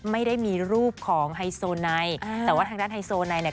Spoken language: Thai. ไม่ได้มีรูปของไฮโซไนอ่าแต่ว่าทางด้านไฮโซไนเนี่ย